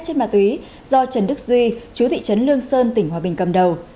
chất ma túy do trần đức duy chú thị trấn lương sơn tỉnh hòa bình cầm đầu